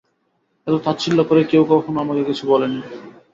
এত তাচ্ছিল্য করে কেউ কখনো আমাকে কিছু বলেনি।